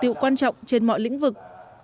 thành tiệu quan trọng trên mọi lĩnh vực